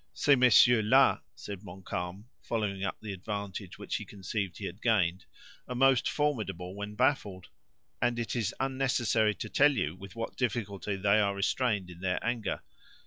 "Ces messieurs là," said Montcalm, following up the advantage which he conceived he had gained, "are most formidable when baffled; and it is unnecessary to tell you with what difficulty they are restrained in their anger.